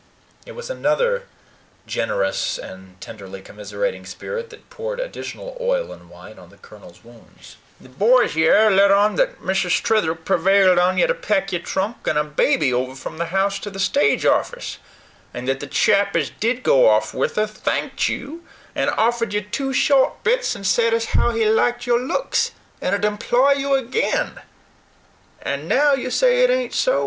It was another generous and tenderly commiserating spirit that poured additional oil and wine on the colonel's wounds. "The boys yer let on thet Mrs. Tretherick prevailed on ye to pack her trunk and a baby over from the house to the stage offis, and that the chap ez did go off with her thanked you, and offered you two short bits, and sed ez how he liked your looks, and ud employ you agin and now you say it ain't so?